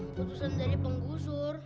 kutusan dari penggusur